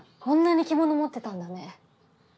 こんなに着物持ってたんだね。